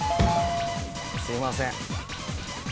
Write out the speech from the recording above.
すいません。